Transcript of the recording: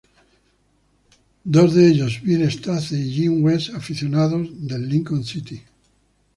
Dos de ellos, Bill Stacey y Jim West, aficionados del Lincoln City.